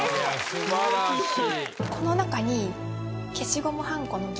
素晴らしい。